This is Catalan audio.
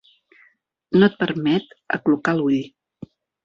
No et permet aclucar l'ull.